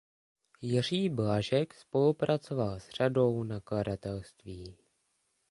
Jiří Blažek spolupracoval s řadou nakladatelství.